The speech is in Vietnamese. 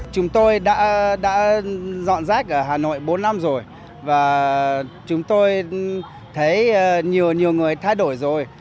chúng tôi đã dọn rác ở hà nội bốn năm rồi và chúng tôi thấy nhiều nhiều người thay đổi rồi